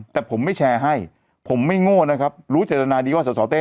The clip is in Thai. แต่ผมไม่แชร์ให้ผมไม่โง่นะครับรู้เจตนาดีว่าสสเต้